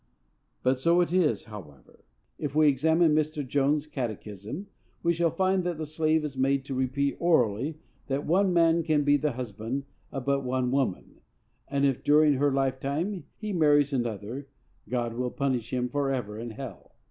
But so it is, however. If we examine Mr. Jones' catechism, we shall find that the slave is made to repeat orally that one man can be the husband of but one woman, and if, during her lifetime, he marries another, God will punish him forever in hell.